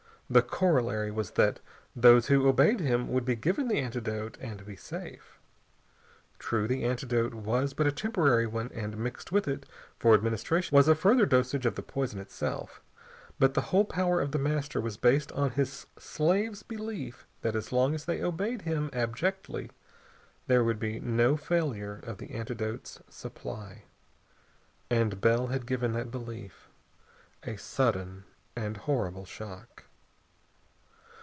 The corollary was that those who obeyed him would be given that antidote and be safe. True, the antidote was but a temporary one, and mixed with it for administration was a further dosage of the poison itself. But the whole power of The Master was based on his slaves' belief that as long as they obeyed him abjectly there would be no failure of the antidote's supply. And Bell had given that belief a sudden and horrible shock.